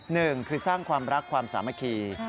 หนึ่งคือสร้างความรักความสามัคคี